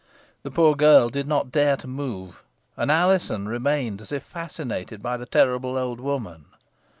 The poor girl did not dare to move, and Alizon remained as if fascinated by the terrible old woman.